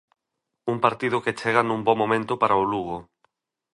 Un partido que chega nun bo momento para o Lugo.